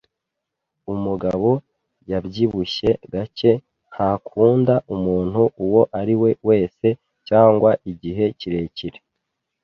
Umugabo wabyibushye gake ntakunda umuntu uwo ari we wese cyangwa igihe kirekire.